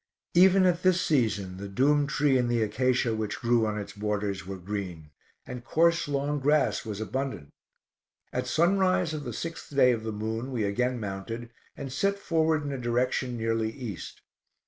Even at this season the doum tree and the acacia, which grew on its borders, were green, and coarse long grass was abundant. At sunrise of the sixth day of the moon we again mounted, and set forward in a direction nearly East.